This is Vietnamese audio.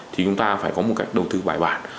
thì chúng ta phải có một cách đầu tư bài bản